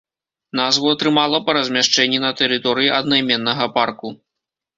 Назву атрымала па размяшчэнні на тэрыторыі аднайменнага парку.